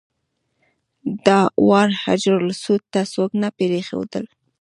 دا وار حجرالاسود ته څوک نه پرېښودل.